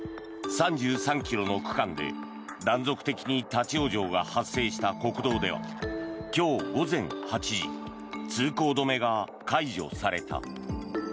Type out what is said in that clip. ３３ｋｍの区間で断続的に立ち往生が発生した国道では今日午前８時通行止めが解除された。